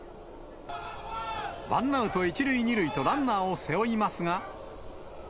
ワンアウト１塁２塁とランナーを背負いますが。